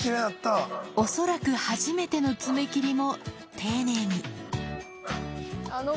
恐らく初めての爪切りも丁寧に。